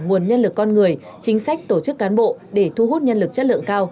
nguồn nhân lực con người chính sách tổ chức cán bộ để thu hút nhân lực chất lượng cao